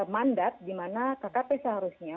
mandat dimana kkp seharusnya